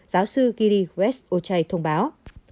giáo sư giri giresh ocay thông báo